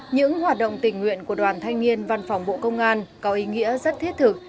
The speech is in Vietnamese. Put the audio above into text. những hoạt động tình nguyện của đoàn thanh niên văn phòng bộ công an có ý nghĩa rất thiết thực